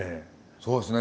そうですね。